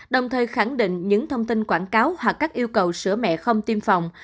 đồng thời khẳng định những thông tin quảng cáo hoặc các yêu cầu sữa mẹ không tiêm phòng